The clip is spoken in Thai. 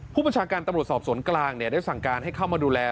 ประชาการตำรวจสอบสวนกลางได้สั่งการให้เข้ามาดูแล